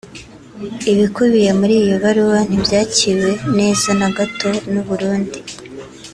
Ibikubiye muri iyo baruwa ntibyakiriwe neza na gato n’u Burundi